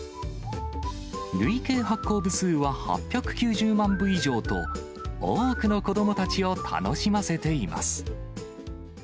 累計発行部数は８９０万部以上と、多くの子どもたちを楽しませています。